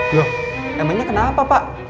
loh emangnya kenapa pak